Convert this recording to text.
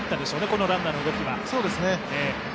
このランナーの動きは。